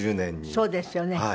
そうですよね。